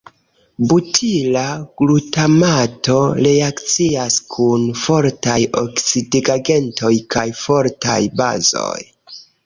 Butila glutamato reakcias kun fortaj oksidigagentoj kaj fortaj bazoj.